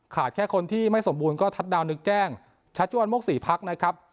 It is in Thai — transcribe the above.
ขาดแค่คนที่ไม่สมบูรณ์ก็ทัชดาวนึกแจ้งชัชวรมกฤษภักดิ์นะครับ